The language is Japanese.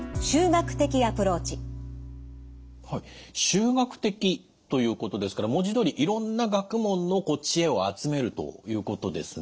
集学的ということですから文字どおりいろんな学問の知恵を集めるということですね？